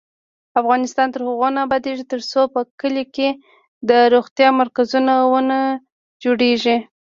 افغانستان تر هغو نه ابادیږي، ترڅو په کلیو کې د روغتیا مرکزونه ونه جوړیږي.